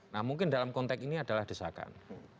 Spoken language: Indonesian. nah mungkin dalam konteks ini adalah desakan